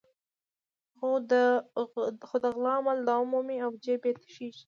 خو د غلا عمل دوام مومي او جېب یې تشېږي.